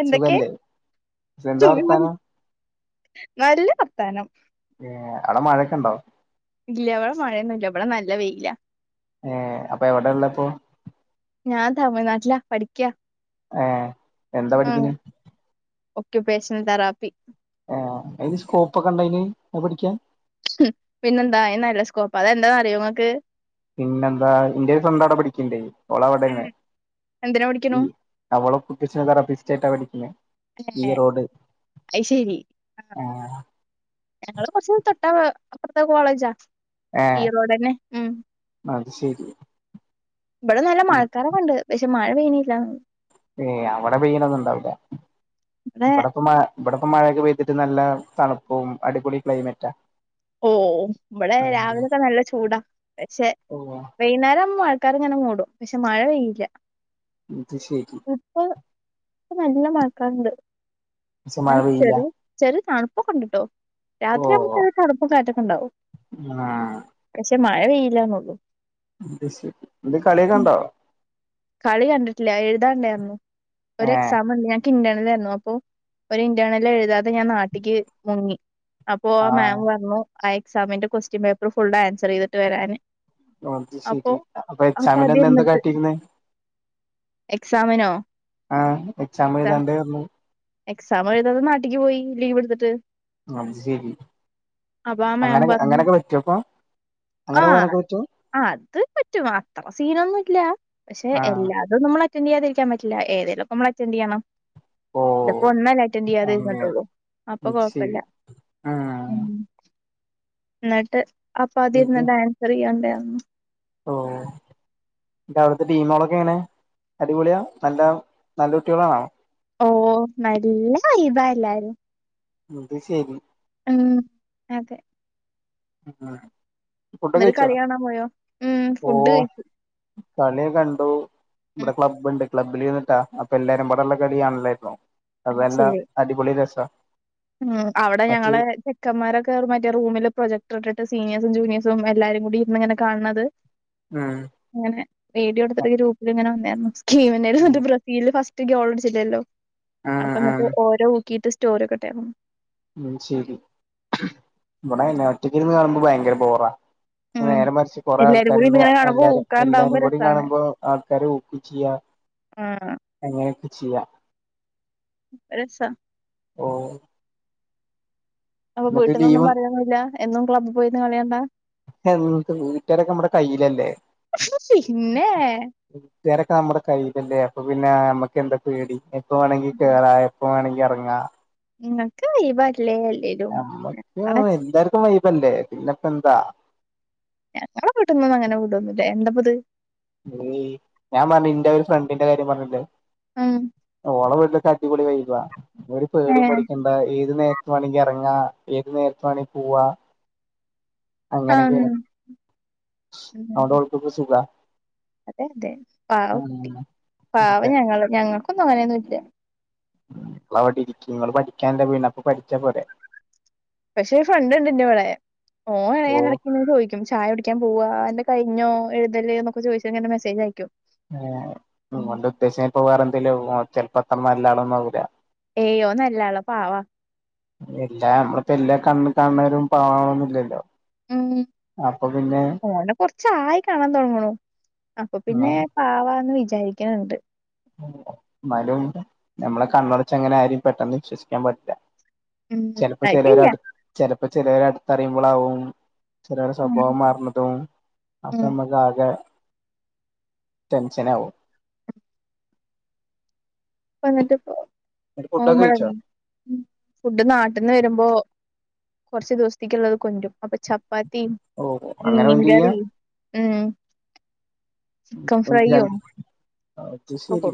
എന്തൊക്കെ സുഖല്ലേ എന്താ [unintelligible] വർത്താനം നല്ല വർത്താനം ഏഹ് അവടെ മഴയൊക്കെ ഇണ്ടോ? ഇല്ല ഇവടെ മഴയൊന്നും ഇല്ല ഇവടെ നല്ല വെയില്ലാ ഏഹ് അപ്പൊ എവടെയാ ഇള്ളെ അപ്പൊ? ഞാൻ താമിഴ്നാട്ടിലാ പഠിക്ക്യാ യെ എന്താ പഠിക്കിന്? [unintelligible] ണാൽ തറാപ്പി ആാ അയിന് സ്കോപ്പോക്കെണ്ടോയ്ന് അത് പഠിക്ക്യൻ ഉം പിന്നെന്താ അയ് നല്ല സ്കോപ്പ അയ് എന്താന്ന് അറിയോ നിങ്ങക്ക് പിന്നെന്താ എൻ്റെ ഒര് സ്വന്തം അവടെ പഠിക്ക്ണ്ട് ഒള് അവടെണ് എന്തിനാ പഠിക്കണു ഈ അവള് [unintelligible] പഠിക്ക്ണെ ഏ അയ് ശെരി ആ ഞങ്ങള് കൊറച്ച് തൊട്ടാ അപ്പാറത്തെ കോളേജാ ഏ ഈ റോഡേന്നെ ഉം അത് ശരി ഇവടെ നല്ല ഉം. മഴക്കാറോക്കെ ഒണ്ട് പശെ മഴ പെയണില്ല യെ അവടെ പെയ്യണോന്നും ഒണ്ടാവില്ല ഇവിടെ ഇവടെ ഇപ്പം മ ഇവടെ ഇപ്പോ മഴയൊക്കെ പെയ്തിട്ട് നല്ല തണുപ്പും അടിപൊളി ക്ലൈമറ്റാ ഓ ഇവിടെ ഉം. രാവിലെയൊക്കെ നല്ല ചൂടാ പക്ഷെ ഓ വൈന്നേരമ്പോ മ ക്കാർ ഇങ്ങനെ മൂടും പക്ഷെ മഴ പെയ്യില്ല അത്ശരി ഇപ്പൊ നല്ല മഴക്കാറുണ്ട് പക്ഷെ ന്ന മഴ പെയ്യില്ല ചെറി ചെറിയ തണുപോക്കേണ്ട്ട്ടോ ഓ രാത്രി ആമ്പൊക്കെ തണുപ്പും കാറ്റൊക്കെ ഉണ്ടാവും ആ പക്ഷെ മഴ പെയില്ലന്നുള്ളു ശ ഇ കളിയൊക്കെ കണ്ടോ കളി കണ്ടിട്ടില്ല എഴുതാണ്ടാരുന്നു ഒരു ഏഹ് എക്സാം ഉണ്ട് ഞ ഇൻ്റേണൽ ആരുന്നു അപ്പൊ ഒരു ഇൻ്റേണൽ എഴുതാതെ ഞാൻ നാട്ടിക്ക് മുങ്ങി അപ്പൊ ആ ആഹ് മാം പർന്നു ആ എക്സാമിന്റെ ക്വസ്റ്റ്യൻ പേപ്പർ ഫുള് ആൻസർ ചെയ്തിട്ട് വരാന് അത് അപ്പൊ ശരി അപ്പൊ എക്സാമിൻ്റെന്ന് എന്താ കാട്ടിന്ന് എക്സാമിനോ ആ എക്സാം എഴുതാണ്ടേർന്നു എക്സാം എഴുതാതെ നാട്ടിക്ക് പോയി ലീവ് എടുത്തിട്ട് അത് ശെരി അപ്പൊ ആ മാം അങ്ങനെ പറഞ്ഞു അങ്ങനെക്കെ പറ്റോപ്പൊ ആ അത് പറ്റും അത്ര സീനൊന്നുല്ല പക്ഷെ ആഹ് എല്ലാതും നമ്മൾ അറ്റൻ്റ് ചെയ്യാതിരിക്കാൻ പറ്റില്ല ഏതെലൊക്കെ നമ്മൾ അറ്റൻ്റ് ചെയ്യണം ഓഹ് ഇതിപ്പോ ഒന്നല്ലേ അറ്റൻ്റ് അങ്ങനെ ചെയ്യാതിരിനിട്ടൊള്ളു അപ്പൊ അത് കൊഴപ്പല്ല ശരി ആഹ് ഉം എന്നിട്ട് അപ്പൊ അതി [unintelligible] ആൻസർ ചെയ്യണ്ടേ ഓ ന്റവിടുത്തെ ടീമൊളൊക്കെ എങ്ങനെ അടിപൊളിയ നല്ല നല്ലോട്ടിളാണോ ഓ നല്ല വൈബായെല്ലാരും അത് ശരി ഉം അതെ ആ എന്നിട്ട് കളി കാണാൻ പോയോ ഉം ഫുഡ് കഴിച്ചു കളി കണ്ടു ഉം, ഇവിടെ ക്ലബ്ബുണ്ട് ക്ലബ്ബിലിരിന്നിട്ടാ അപ്പ എല്ലാരുംബടെയുള്ള കളികാണലാരുന്നു അത് അതെല്ല ശരി അടിപൊളി രസ ഉം അവിടെ ഞങ്ങളെ ചെക്കന്മാരൊക്കെ മറ്റേ റൂമിൽ പ്രൊജക്ടർ ഇടിട്ട് സീനിയേഴസും ജൂനിയേഴസും എല്ലാരും കൂടിരുന്ന് ഇങ്ങനെ കാണണത് ഉം അങ്ങനെ വീഡിയോടുത്തിട്ട് ഗ്രൂപ്പിൽ ഇങ്ങനെ വന്നായിരുന്നു [unintelligible] ബ്രസീൽ ഫസ്റ്റ് ഗ്യോൾ അടിച്ചില്ലല്ലോ ആഹ് അപ്പൊന്നിട്ട് ആഹ് ഓരോ ഊക്കിട്ട് സ്റ്റോറി ക്കട്ടെരുന്നു ഉം ശരി ഇവടെ ഒറ്റക്ക്ന്ന് കാണുമ്പോ ഭയങ്കര ബോറാ ഉം നേരെ മറിച്ച് കൊറെ എല്ലാരും കൂടി ആൾക്കാരുണ്ട് ഇങ്ങനെ കാണുമ്പോ എല്ലാരെ ഊക്കാണ്ടാവുമ്പോ എല്ലാരുകൂടി രസാണ് കാണുമ്പോ ആൾക്കാര് ഊക്കി ചെയ്യാ ആഹ് അങ്ങനെയൊക്കെ ചെയ്യാം രസ ഓ അപ്പൊ എന്നിട്ട് വീട്ടിൽന്നൊന്നും ലീവ് പറയൊന്നൂല്ല എന്നും ക്ലബ്ബ് പോയിരിന്ന് കളി കണ്ടാ? എന്ത് വീട്ടുകാരൊക്കെ നമ്മടെ കൈയിലല്ലേ പിന്നെ വീട്ടുകാരൊക്കെ നമ്മുടെ കയ്യിലല്ലേ ഇപ്പ പിന്നെ നമ്മക്ക് എന്താ പേടി എപ്പ വേണങ്കി കേറാ എപ്പ വേണെങ്കി ഇറങ്ങാ നിങ്ങക്ക് വൈബ് ആ നമ്മക്കും എല്ലാർക്കും വൈബല്ലേ പിന്നെപ്പ എന്താ ഞങ്ങളെ വീട്ടിന്നൊന്നും അങ്ങനെ വുടോന്നുമില്ല എന്താപ്പ ഇത് ഞാൻ പറഞ്ഞ ഇന്റെ ഒരു ഫ്രണ്ടിന്റെ കാര്യം പറഞ്ഞില്ലേ ഏഹ് ഓള അടിപൊളി വൈബ ഒരു പേടിയും ആഹ് പേടിക്കണ്ട ഏത് നേരത്ത് വേണങ്കിറങ്ങാ ഏത് നേരത്ത് വേണങ്കിപോവാ ഉം അങ്ങനെയൊക്കെണ് ഉം അതോണ്ട് ഓൾക്കൊക്കെ സുഖ അതെ അതെ പാവം കുട്ടി അതെ പാവം ഞങ്ങൾ ഞങ്ങക്കൊന്നും അങ്ങനെയൊന്നും ഇല്ല നിങ്ങൾ അവിടെരിക്കി ഇങ്ങള് പഠിക്കാനല്ലേ പോയീണ് അപ്പൊ പഠിച്ചാപോരെ പക്ഷെ ഫ്രണ്ട് ഉണ്ട് എന്റെ ഇവിടെ ഓൻ ഓ [unintelligible] ഇടക്ക്‌ ചോദിക്കും ചായ കുടിക്കാൻ പോവാ അന്റെ കഴിഞ്ഞോ എഴുതല് എന്നൊക്കെ ചോദിച്ച് ഇങ്ങനെ മെസേജ് അയക്കും ആഹ് ഉം ഓന്റെ ഉദ്ദേശം പോകാറ് എന്തേലും ചെലപ്പം അത്ര നല്ലാളൊന്നും ആവൂല്ല ഏഹ് ഓൻ നല്ല ആളാ പാവാ എല്ലാ നമ്മളിപ്പാ എല്ലാ കണ്ണി കാണുന്നോരും പാവാണെന്നില്ലല്ലോ അപ്പൊ പിന്നെ ഓനെ കൊറച്ച് ആയി കാണാൻ തുടങ്ങണു അപ്പൊ പിന്നെ ഏഹ് പാവാന്ന് വി വിചാരിക്കണുണ്ട് എന്നാലും നമ്മളെ കണ്ണടച്ച് അങ്ങനെ ആരെയും പെട്ടെന്ന് വിശ്വസിക്കാൻ പാടില്ല ഉം. ചിലപ്പോ അത് ശരിയാ. ചിലവരടു ചിലപ്പോ ചിലവര് അടുത്തറിയുമ്പോളാവും ചിലരുടെ ഉം. സ്വഭാവം മാറുന്നതും അപ്പം ഉം. നമുക്ക് ആകെ ടെൻഷൻ ആവും വന്നിട്ട് ഇപ്പോ ന്നിട്ട് ഫുഡൊക്കെ പോവുമ്പഴ് കഴിച്ചോ ഫുഡ് നാട്ടിൽന്ന് വരുമ്പോ കുറച്ച് ദിവസത്തേക്കുള്ളത് കൊണ്ടു വരും അപ്പോ ചപ്പാത്തിയും ഓ അങ്ങനെ മൈന്റ് ചെയ്യാ മീൻകറി ഉം ചിക്കൻ ഫ്രൈയും അത് ഒക്കെ കൊ ശരി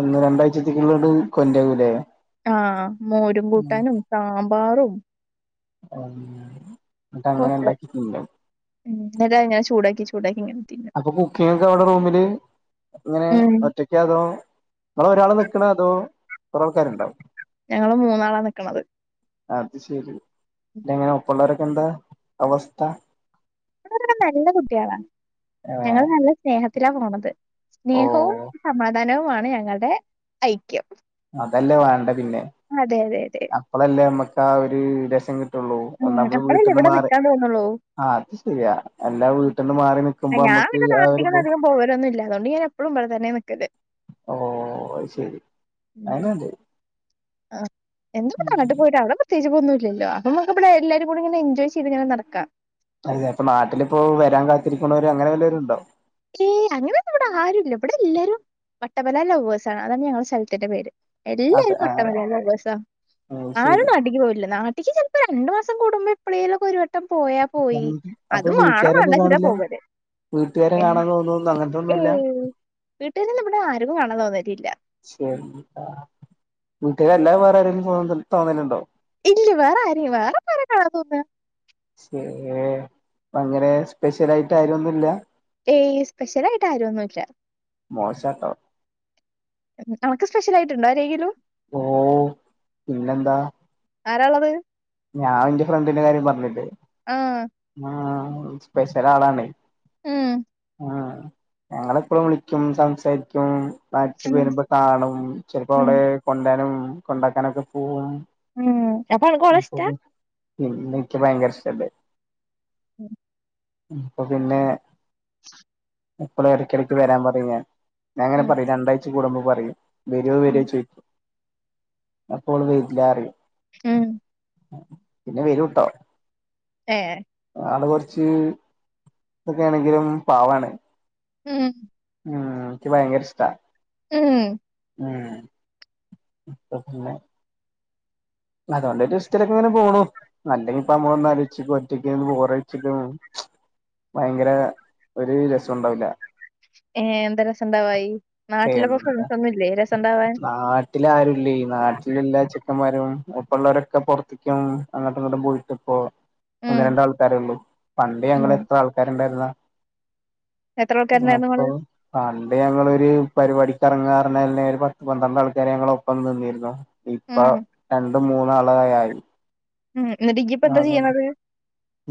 ഒന്ന് രണ്ടാഴ്ചത്തേക്കുള്ളോണ്ട് [unintelligible] ആഹ് മോരും കൂട്ടാനും സാമ്പാറും ഉം എന്നിട്ട് അങ്ങനെ ഉണ്ടാക്കി തിന്നോ ഇല്ല ഞാൻ ചൂടാക്കി ചൂടാക്കി ഇങ്ങനെ തിന്നും. അപ്പൊ കുക്കിംഗ് ഒക്കെ അവിടെ റൂമില് എങ്ങനെ ഉം. ഒറ്റക്ക്‌ അതോ നിങ്ങള് ഒരാള് നി അതോ കുറേ ആൾക്കാരുണ്ടാവും ഞങ്ങള് മൂന്നാളാ നിക്കണത് അത് ശെരി ഉം. പിന്നെ എങ്ങനെ ഒപ്പമുള്ളവരൊക്കെ എന്താ അവസ്ഥ ഇവിടുള്ളൊര് നല്ല കുട്ടികളാണ് ഏ ഞങ്ങള് നല്ല സ്നേഹത്തിലാ പോണത് ഓ സ്നേഹവും സമാധാനവും ആണ് ഞങ്ങളുടെ ഐക്യം അതല്ലേ വേണ്ടെ പിന്നെ അതെ അതെ അതെ അപ്പളല്ലേ നമ്മക്ക് ആ ഒരു രസം കി ഉം അപ്പളല്ലേ ഇവിടെ നിക്കാൻ തോന്നുള്ളൂ ആഹ് അത് ശരിയാ എല്ലാ വീട്ടിന്ന് മാറി നിക്കുമ്പോ ഞാൻ നമ്മുക്ക് പിന്നെ ആ ഒരു ബോ നാട്ടിക്കൊന്നും അധികം പോവലൊന്നും ഇല്ല അതുകൊണ്ട് ഞാൻ എപ്പഴും ഇവിടെ തന്നെയാ നിക്കല് ഓ അത് ശെരി ഉം [unintelligible] ആഹ് എന്തൊക്കെ പറഞ്ഞിട്ട് പോയിട്ട് അവിടെ പ്ര ച്ച് ഒന്നുമില്ലല്ലോ അപ്പൊ നമ്മക്ക് ഇവിടെ എല്ലാരും കൂടി ഇങ്ങനെ എൻജോയ് ചെയ്ത് ഇങ്ങനെ നടക്കാം അതെ അപ്പൊ നാട്ടില് ഇപ്പോ വരാൻ കാത്തിരിക്കുന്നവര് അങ്ങനെ വല്ലവരുണ്ടോ ഏയ് അങ്ങനൊന്നും ഇവിടെ ആരുമില്ല ഇവിടെ എല്ലാരും വട്ടബല ലവേഴ്സാണ് അതാണ് ഞങ്ങടെ സ്ഥലത്തിന്റെ പേര് അതെ എല്ലാരും വട്ട ആഹ് ബല ലവേഴ്‌സ് അത് ആ ആരും ശരി നാട്ടിക്ക് പോവില്ല നാട്ടിക്ക് ചിലപ്പോ രണ്ടു മാസ സം കൂടുമ്പം എപ്പഴേലുമൊക്കെ ഒരു വട്ടം പോയാ പോയി എന്ത് അപ്പൊ അതും വേണം വീട്ടുകാരൊന്നും വേണ്ടാച്ചിട്ടാ കാണില്ല പോവല് വീട്ടുകാരെ ൻ കാണാൻ തോന്നുന്നു ഏ അങ്ങനത്തൊന്നുല്ല വീട്ടിൽ നിന്ന് ഇവടെ ആരക്കും വേണം തോന്നരില്ല കുട്ട്യോള് അല്ലാതെ വേറെ ആരെങ്കലും [unintelligible] തോന്നലുണ്ടോ? ഇല്ല വേറെ ആര് വേറെപ്പ ആരെ കാണാൻ തോന്നാ? ശേ ഭയങ്കര സ്പെഷ്യലായിട്ട് ആരുമൊന്നുമില്ല ഏയ് സ്പെഷ്യൽ ആയിട്ട് ആരും ഒന്നുമില്ല. മോശാട്ടോ അണക്ക് സ്പെഷ്യൽ ആയിട്ട്ണ്ടോ ആരെങ്കിലും? ഓ പിന്നെന്താ? ആരാള്ളത്? ഞാൻ എന്റെ ഫ്രണ്ടിന്റെ കാര്യം പറഞ്ഞില്ലേ? ആ ആ സ്പെഷ്യൽ ആളാണേ ഉം ആ ഞങ്ങളെപ്പോഴും വിളിക്കും സംസാരിക്കും നാട്ടിൽ ഉം വരുമ്പോ കാണും ചെലപ്പോ ഉം അവളെ കൊണ്ടാനും കൊണ്ടാക്കാനൊക്കെ പോവും ഉം അപ്പോ അനക്ക് ഓളെ ഇഷ്‌ടാ? പിന്നേ ഇയ്ക്ക് ഭയങ്കര ഇഷ്ടല്ലേ? ഉം അപ്പോ പിന്നെ അപ്പള് ഇടക്കിടക്ക് വരാൻ പറയും ഞാൻ. ഞാൻങ്ങനെ ഉം പറയും. രണ്ടാഴ്ച കൂടുമ്പോ പറയും. വര്വോ വര്വോ ചോയ്ക്കും. അപ്പോ ഓള് വരില്ലാറയും. ഉം പിന്നെ വരുട്ടോ ഏ ആൾ കൊറച്ച് ഇതൊക്കെയാണെങ്കിലും പാവാണ്. ഉം ഉം ഇക്ക് ഭയങ്കര ഇഷ്ടാ ഉം ഉം ഇപ്പ പിന്നെ അതോണ്ട് ഒരു രസത്തിലൊക്കെങ്ങനെ പോണു. അല്ലെങ്കി ഇപ്പമ്മളൊന്ന് ആലോചിച്ചോക്ക് ഒറ്റയ്ക്കിരുന്ന് ബോറടിച്ചിട്ട് ഭയങ്കര ഒരു രസോണ്ടാവില്ല ഏ എന്താ രസംണ്ടാവായി? നാട്ടിലപ്പോ ഫ്രൻസ് ഒന്നൂല്ലേ രസംണ്ടാവാൻ? നാട്ടിലാരുല്ലേ നാട്ടിലെല്ലാ ചെക്കൻമാരും ഒപ്പള്ളവരൊക്കെ പൊറത്തേക്ക് പോവാണ്. അങ്ങട്ടും ഇങ്ങട്ടും പോയിട്ട്പ്പോ ഒന്ന് ഉം രണ്ടാൾക്കാരേള്ളു പണ്ട് ഉം ഞങ്ങളെത്ര ആൾക്കാരുണ്ടായിരുന്നാ എത്ര ആൾക്കാരുണ്ടായിരുന്നു അപ്പോ നിങ്ങള് പണ്ട് ഞങ്ങളൊരു പരുവാടി ക്ക എറങ്ങാ പറഞ്ഞാലന്നെ ഒരു പത്ത് പന്ത്രണ്ട് ആൾക്കാര് ഞങ്ങള ഒപ്പം നിന്നിരുന്നു ഇപ്പോ ഉം രണ്ടും മൂന്നാളുകളായി ഉം ഇന്ന്ട്ട് ഇയ്യ് ഇപ്പോ എന്താ ചിയ്യണത്?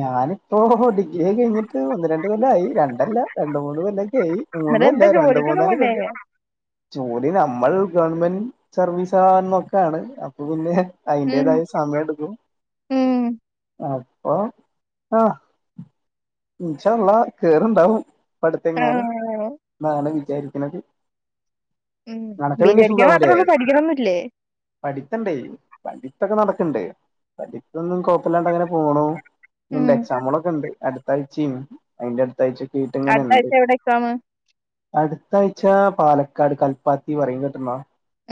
ഞാനിപ്പോ ഡിഗ്രിക്കേ കഴിഞ്ഞിട്ട് ഒന്ന് രണ്ട് കൊല്ലായി. രണ്ടല്ല രണ്ട്മൂന്ന് ല്ലോക്കേയി. എന്നിട്ട് എന്താ മൂന്ന്കൊല്ലായി ജോലിക്കൊന്നും രണ്ട്മൂന്നാല് പോണ്ടേ കൊല്ലം ജോലി നമ്മൾ ഗവൺമെന്റ് സർവീസ് ആന്നൊക്കൊണ് അപ്പ പിന്നെ ഉം അതിന്റേതായ സമയം എടുക്കും ഉം ഓ ആ ഇൻഷാ അള്ളാ കേറുണ്ടാവും അടുത്തെങ്ങാനു ആ ന്നാണ് വിചാരിക്കണത് ഉം അനക്ക് പിന്നെ ബിജാരിക്ക സുഖാവൂലേ മാത്രേള്ളൂ പഠിക്കണണോന്നൂല്ല്യേ? പഠിത്തണ്ടേ പഠിത്തൊക്കെ നടക് ക്ക്ണ്ട് പഠിത്തോന്നും കൊഴപ്പല്യാണ്ട് അങ്ങനെ പോണു. ഇണ്ട് എക്സാമുകളോക്കണ്ട് അടു അടുത്താഴ്ചയും അയിന്റെ അടുത്താഴ്ച ഒക്കേ ആയിട്ട്ങ്ങനെ ഒണ്ട് അടുത്താഴ്ച എവിടെ എക്സാമ് അടുത്തായ്ച്ച പാലക്കാട് കൽപ്പാത്തിന്ന് പറയും കേട്ടുണ്ടോ?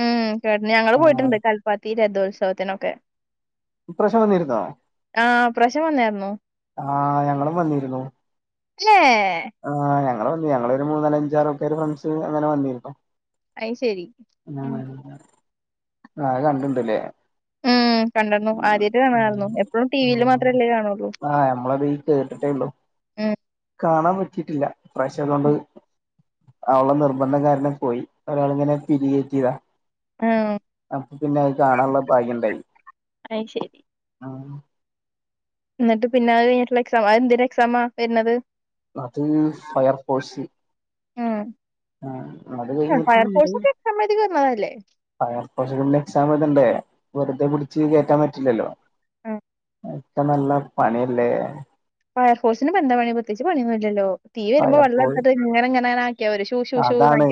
ഉം. കേട്ട്ണ്ണ്. ഞങ്ങള് പോയിട്ടുണ്ട് കൽപ്പാത്തി രഥോത്സവത്തിനൊക്കെ ഇപ്രാവശ്യം വന്നിരുന്നോ ആഹ് പ്രശം വന്നായിരുന്നു ആഹ് ഞങ്ങളും വന്നിരുന്നു ഏ നങ്ങൾ വന്നു നങ്ങൾ ഒരു മൂന്നാല്ഞ്ചറക്കെ ഫ്രണ്ട്സ് അങ്ങനെ വന്നിരുന്നു അയ് ശരി ഉം ആ അത് കണ്ടിണ്ടല്ലേ ഉം കണ്ടായിരുന്നു ആദ്യായിട്ട് കാണായിരുന്നു എപ്പഴും ടി വിയിൽ മാത്രല്ലേ കാണുള്ളൂ ആ നമ്മളപ്പോ ഈ കേട്ടിട്ടേ ഉള്ളു ഉം കാണാൻ പറ്റിട്ടില്ല ഇ പ്രാവശ്യം അതുകൊണ്ട് അവള നിർബന്ധകാരനെ പോയി ഒരാളിങ്ങനെ പിരികെറ്റിയതാ ആഹ് അപ്പൊ പിന്നെ അത് കാണാനുള്ള ഭാഗ്യണ്ടായി അത് ശരി എന്നിട്ട് പിന്നെ അത് കഴിഞ്ഞട്ടുള്ള എക്സാം എന്തി എക്സാ ആ വരുന്നത് അത് ഫയർ ഫോഴ്സ് ഉം ആ അടെ കഴട്ട ഉണ്ട് ഫയർഫോഴ്സ് ഒക്കെ എക്സാം എഴുതി വന്നതല്ലേ ഫയർഫോഴ്സിൽ എക്സാം വതുണ്ടേ വെറുതെ പിടിച്ച് കേറ്റാൻ പറ്റില്ലല്ലോ ആ ഇക്ക നല്ല പണിയല്ലേ ഫയർഫോഴ്സിന് ഇപ്പോ എന്താ പണി പ്രത്യേകിച്ച് പണിയന്നുമില്ലല്ലോ തീ വരുമ്പോ ഫയർ ഫോഴ് വള്ളങ്ങനങ്ങന അതാണ്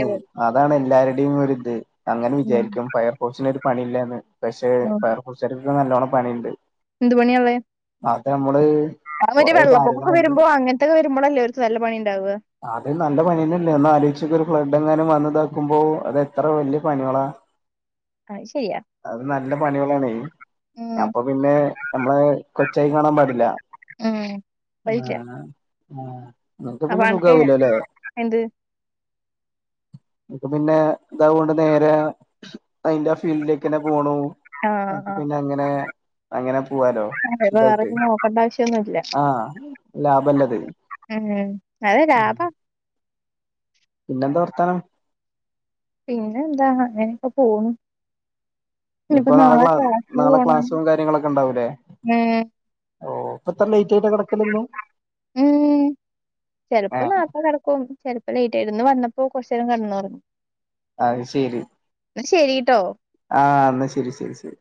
അതാണ് എല്ലാരുടെയും ഒരിത് അങ്ങനെ ഉം വിചാരിക്കും ഫയർഫോഴ്സിനൊരു പണിയില്ലന്ന് പക്ഷെ ഉം. ഫയർ ഫോഴ്സിനൊക്കെ നല്ലോണം പണിയുണ്ട് എന്ത് പണിയാലേ അത നമ്മള് അവ ഒരു കൊറേ വെള്ളപ്പൊക്കൊക്കെ കാര്യങ്ങളുണ്ട് വരുമ്പോ അനത്തൊരുമ്പോല്ല അവർക്ക് നല്ല പണിണ്ടാവുക അത് നല്ല പണി തന്നെല്ലേ ഒന്ന് ആലോചിക്കു ഒരു ഫ്ലഡ് എങ്ങാനും വന്നതാക്കുമ്പോ അതെത്ര വലിയ പണികളാ ആ ശരി അത് നല്ല പണികളാണ് ഉം അപ്പൊ പിന്നെ നമ്മള് കൊച്ചായി കാണാൻ പാടില്ല ഉം പറ്റില്ല ആ നിക്ക് അപ്പൊ പിന്നെ അനക്ക് സുഖവലോല്ലേ എന്ത് ക്ക് പിന്നെ ഇതുകൊണ്ട് നേരെ അതിറെ ഫീൽഡിലേക്ക്ന്നെ പോണു അപ്പ ആഹ് പിന്നെ അങ്ങനെ അങ്ങനെ പോവാലോ ആഹ് അത് വേറെ സുഖായിട്ട് ഇനി നോക്കണ്ട ആവശ്യമൊന്നുമില്ല ആ ലാഭല്ലത് ഉം അതെ ലാബ പിന്നെ എന്താ വർത്താനം പിന്നെ എന്താ അങ്ങനപ്പോ പോണു ഇനിയിപ്പോ നാളെ ക്ല നാളെ ക്ലാസ്സും കാര്യങ്ങളൊക്കെ ഉണ്ടാവൂലേ ഉം ഓ ഇപ്പ എത്ര ലേറ്റ് ആയിട്ട കിടക്കലു എന്നും ചിലപ്പോ നാട്ട കിടക്കും ചിലപ്പോ ലേറ്റ് ആയിന്ന് വന്നപ്പോ കൊറച്ചു നേരം കിടു പറഞ്ഞു അ ശരി ശെരിട്ടോ ആ എന്നാ ശരി ശരി ശരി